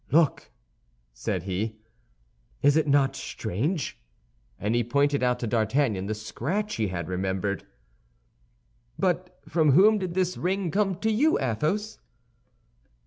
"Look," said he, "is it not strange?" and he pointed out to D'Artagnan the scratch he had remembered. "But from whom did this ring come to you, Athos?"